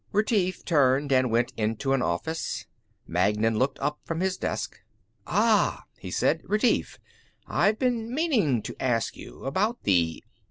Retief turned and went into an office. Magnan looked up from his desk. "Ah," he said. "Retief. I've been meaning to ask you. About the